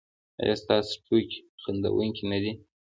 ایا ستاسو ټوکې خندونکې نه دي؟